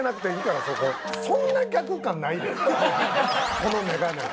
この眼鏡。